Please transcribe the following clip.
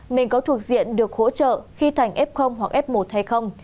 mình có thuộc diện được hỗ trợ khi thành f hoặc f một hay không